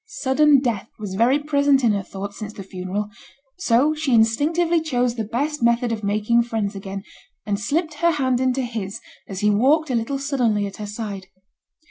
Sudden death was very present in her thoughts since the funeral. So she instinctively chose the best method of making friends again, and slipped her hand into his, as he walked a little sullenly at her side.